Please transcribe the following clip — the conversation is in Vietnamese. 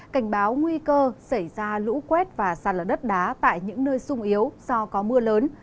cảnh báo nguy cơ xảy ra lũ quét và sạt lở đất đá tại những nơi sung yếu do có mưa lớn